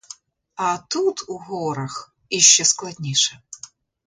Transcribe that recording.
А тут, у горах, іще складніше.